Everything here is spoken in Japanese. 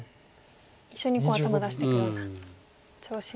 一緒に頭出していくような調子ですか。